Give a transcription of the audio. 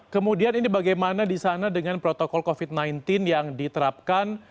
kemudian bagaimana dengan protokol covid sembilan belas yang diterapkan